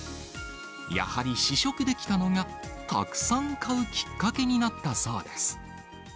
やはり試食できたのが、たくさん買うきっかけになったそうです。